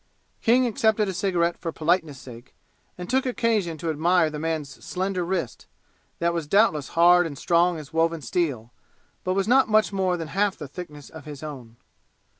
King accepted a cigarette for politeness' sake and took occasion to admire the man's slender wrist, that was doubtless hard and strong as woven steel, but was not much more than half the thickness of his own.